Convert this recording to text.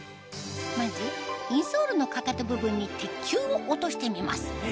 まずインソールのかかと部分に鉄球を落としてみます